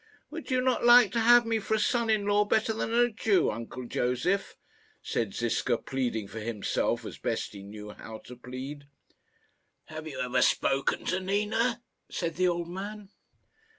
"Would you not like to have me for a son in law better than a Jew, uncle Josef?" said Ziska, pleading for himself as best he knew how to plead. "Have you ever spoken to Nina?" said the old man.